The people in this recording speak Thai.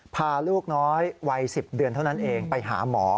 พาลูกน้อยวัย๑๐เดือนเท่านั้นเองไปหาหมอ